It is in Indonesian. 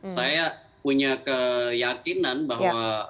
saya punya keyakinan bahwa